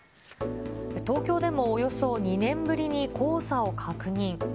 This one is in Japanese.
東京でもおよそ２年ぶりに黄砂を確認。